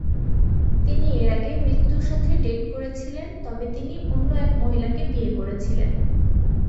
তিনি এর আগে মৃত্যুর সাথে ডেট করেছিলেন তবে তিনি অন্য এক মহিলাকে বিয়ে করেছিলেন।